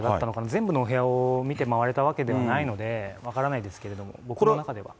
全部のお部屋を見て回れたわけではないので、分からないですけども、僕の中では。